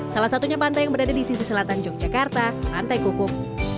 salah satunya pantai yang berada di sisi selatan yogyakarta pantai kukuk